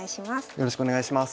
よろしくお願いします。